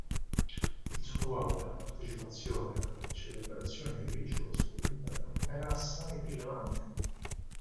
Il suo ruolo nella partecipazione alle celebrazioni religiose dell'impero era assai rilevante.